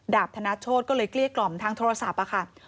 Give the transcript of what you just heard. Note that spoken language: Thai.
ธนโชธก็เลยเกลี้ยกล่อมทางโทรศัพท์ค่ะ